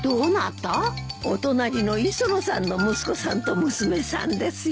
お隣の磯野さんの息子さんと娘さんですよ。